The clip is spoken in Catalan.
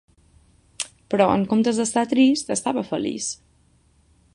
Però, en comptes d'estar trist, estava feliç.